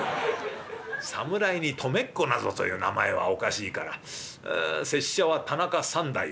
侍に留っこなどという名前はおかしいからああ拙者は田中三太夫。